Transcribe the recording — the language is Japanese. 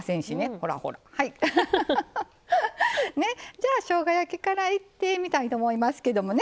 じゃあしょうが焼きからいってみたいと思いますけどもね。